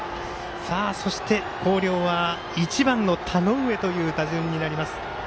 そして、広陵は１番の田上という打順になります。